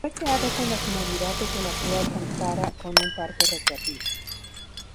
Fue creado con la finalidad de que la ciudad contara con un parque recreativo.